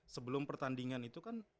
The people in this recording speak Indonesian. sebelum pertandingan itu kan